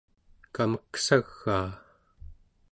kameksagaa